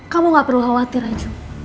kamu gak perlu khawatir aja